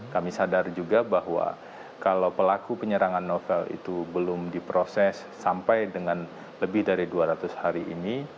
kami sadar juga bahwa kalau pelaku penyerangan novel itu belum diproses sampai dengan lebih dari dua ratus hari ini